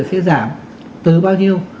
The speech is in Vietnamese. sẽ giảm từ bao nhiêu